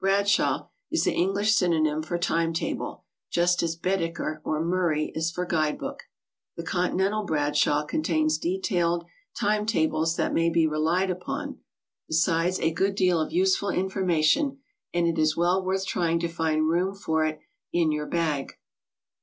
"Bradshaw" is the English synonym for time table, just as "Baedeker" or "Murray" is for guide book. The "Con tinental Bradshaw" contains detailed time tables that may be relied upon, besides a great deal of useful information, and it is well worth while trying to find room for it in your bag.